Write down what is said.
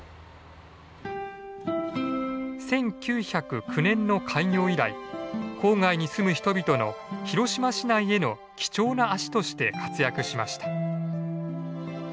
１９０９年の開業以来郊外に住む人々の広島市内への貴重な足として活躍しました。